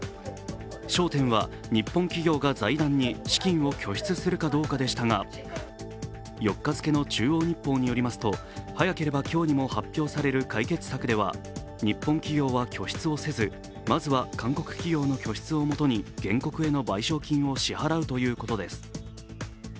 焦点は、日本企業が財団に資金を拠出するかどうかでしたが、４日付の「中央日報」によりますと早ければ今日にも発表される解決策では日本企業は拠出をせず、まずは韓国企業の拠出を元に原告への賠償金を支払うということです。